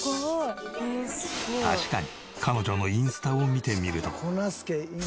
確かに彼女のインスタを見てみると。